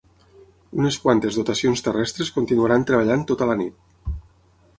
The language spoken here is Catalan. Unes quantes dotacions terrestres continuaran treballant tota la nit.